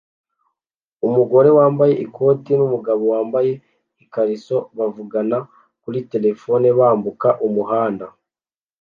Umugore wambaye ikote numugabo wambaye ikariso bavugana kuri terefone bambuka umuhanda